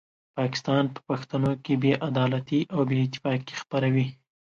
پاکستان په پښتنو کې بې عدالتي او بې اتفاقي خپروي.